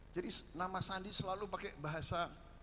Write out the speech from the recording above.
jadi nama sandi selalu pakai bahasa